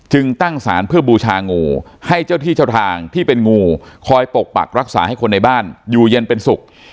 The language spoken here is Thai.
ตั้งสารเพื่อบูชางูให้เจ้าที่เจ้าทางที่เป็นงูคอยปกปักรักษาให้คนในบ้านอยู่เย็นเป็นสุข